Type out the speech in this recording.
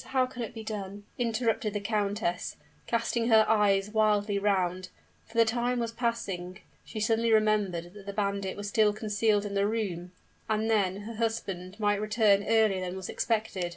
how can it be done?" interrupted the countess, casting her eyes wildly round; for the time was passing she suddenly remembered that the bandit was still concealed in the room and then, her husband might return earlier than was expected.